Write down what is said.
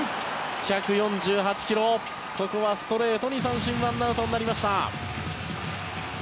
１４８キロ、ここはストレートに三振でワンアウトになりました。